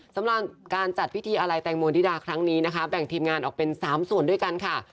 สำหรับการจัดพิธีอะไรแตงโมนิดาครั้งนี้นะคะแบ่งทีมงานออกเป็น๓ส่วนด้วยกันค่ะ